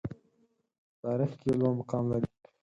په تاریخ کې لوړ مقام لري.